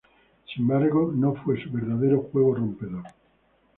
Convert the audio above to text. Sin embargo, no fue su verdadero juego rompedor.